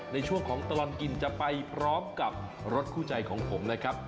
ในช่วงของตลอดกินจะไปพร้อมกับรถคู่ใจของผมนะครับ